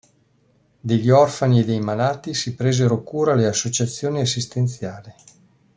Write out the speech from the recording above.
Degli orfani e dei malati si presero cura le associazioni assistenziali.